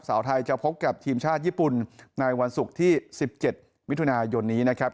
สาวไทยจะพบกับทีมชาติญี่ปุ่นในวันศุกร์ที่๑๗มิถุนายนนี้นะครับ